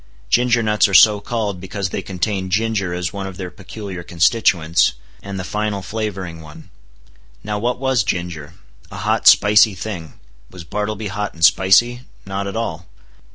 Ginger nuts are so called because they contain ginger as one of their peculiar constituents, and the final flavoring one. Now what was ginger? A hot, spicy thing. Was Bartleby hot and spicy? Not at all.